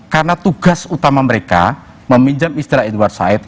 karena tugas utama mereka meminjam istilah edward said